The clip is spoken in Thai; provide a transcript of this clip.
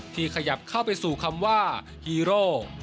ขยับเข้าไปสู่คำว่าฮีโร่